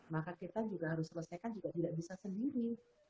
maka kita juga harus selesaikan juga tidak bisa sendiri